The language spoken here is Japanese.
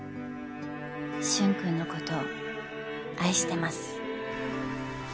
「舜くんのこと愛してます」